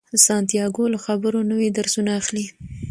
سانتیاګو له خبرو نوي درسونه اخلي.